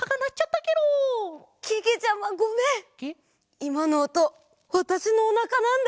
いまのおとわたしのおなかなんだ。